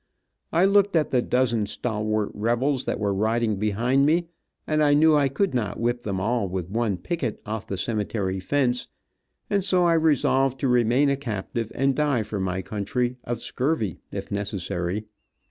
I looked at the dozen stalwart rebels that were riding behind me, and knew I could not whip them all with one picket off the cemetery fence, and so I resolved to remain a captive, and die for my country, of scurvey, if necessary.